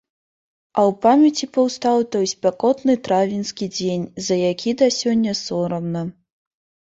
А ў памяці паўстаў той спякотны травеньскі дзень, за які да сёння сорамна.